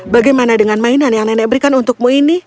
bagaimana dengan mainan yang nenek berikan untukmu ini